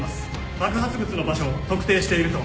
爆発物の場所を特定していると。